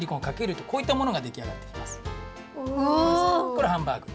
これハンバーグ。